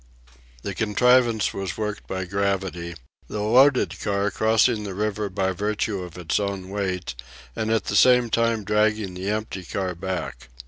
The contrivance was worked by gravity, the loaded car crossing the river by virtue of its own weight, and at the same time dragging the empty car back.